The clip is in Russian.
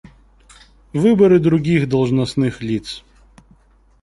Выборы других должностных лиц.